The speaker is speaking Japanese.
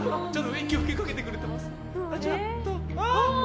息を吹きかけてくれてます！